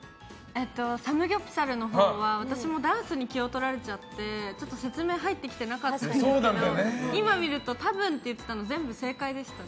サムギョプサルのほうは私もダンスに気を取られちゃって、説明が入ってきてなかったんですけど今見ると多分って言ってたの全部正解でしたね。